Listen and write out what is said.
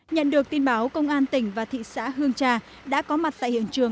nhận được tin báo công an tỉnh và thị xã hương trà đã có mặt tại hiệu quả